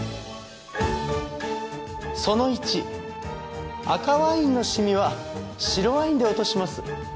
その１赤ワインの染みは白ワインで落とします。